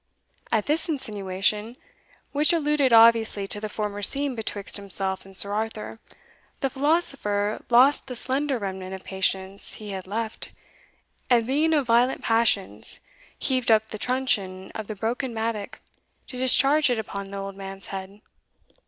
At this insinuation, which alluded obviously to the former scene betwixt himself and Sir Arthur, the philosopher lost the slender remnant of patience he had left, and being of violent passions, heaved up the truncheon of the broken mattock to discharge it upon the old man's head.